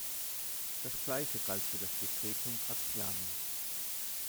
Das Gleiche galt für das Decretum Gratiani.